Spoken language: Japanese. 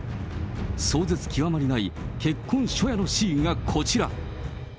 壮絶極まりない結婚初夜のシーンがこちら。